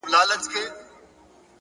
نیک چلند زړونه خپلوي!